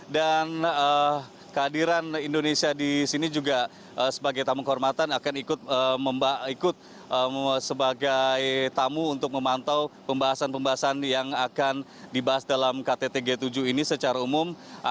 dan kehadiran indonesia di sini juga sebagai tamu kehormatan akan ikut sebagai tamu untuk memantau pembahasan pembahasan yang akan dibahas dalam ktt g tujuh ini secara umum